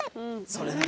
それね。